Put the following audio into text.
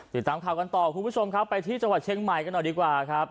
ติดตามข่าวกันต่อคุณผู้ชมครับไปที่จังหวัดเชียงใหม่กันหน่อยดีกว่าครับ